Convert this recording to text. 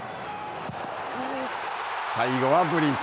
最後はブリント。